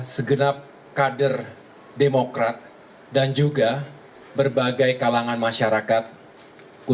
sebelum menutupi perjalanan kita